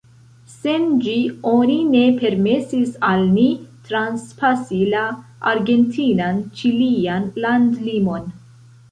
Sen ĝi oni ne permesis al ni transpasi la argentinan-ĉilian landlimon.